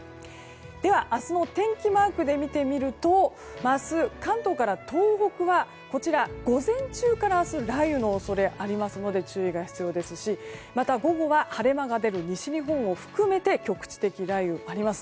では、明日の天気マークで見てみると明日関東から東北は午前中から雷雨の恐れがありますので注意が必要ですしまた午後は晴れ間が出る西日本を含めて局地的雷雨があります。